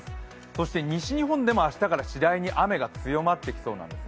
そして西日本でも明日からしだいに雨が強まってきそうです。